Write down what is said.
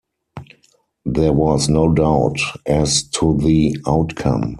There was no doubt as to the outcome.